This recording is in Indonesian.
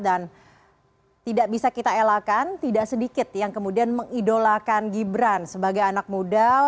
dan tidak bisa kita elakan tidak sedikit yang kemudian mengidolakan gibran sebagai anak muda